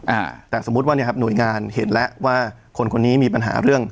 อ่าแต่สมมุติว่าเนี่ยครับหน่วยงานเห็นแล้วว่าคนคนนี้มีปัญหาเรื่อง